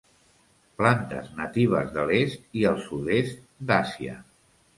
Plantes natives de l'est i el sud-est d'Àsia.